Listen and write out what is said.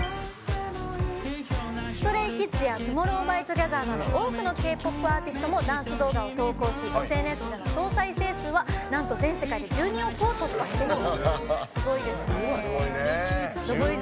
ＳｔｒａｙＫｉｄｓやＴＯＭＯＲＲＯＷＸＴＯＧＥＴＨＥＲなど多くのＫ‐ＰＯＰアーティストもダンス動画を投稿しＳＮＳでの総再生数はなんと全世界で１２億を突破してます。